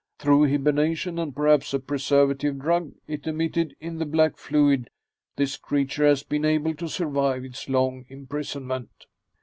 Through hibernation and perhaps a preservative drug it emitted in the black fluid, this creature has been able to survive its long imprisonment.